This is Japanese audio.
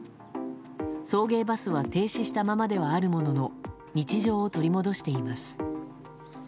送迎バスは停止したままではあるものの日常を取り戻しています。